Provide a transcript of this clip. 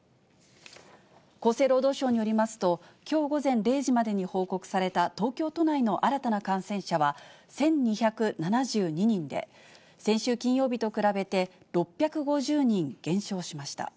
厚生労働省によりますと、きょう午前０時までに報告された東京都内の新たな感染者は１２７２人で、先週金曜日と比べて、６５０人減少しました。